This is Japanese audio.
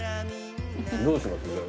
どうします？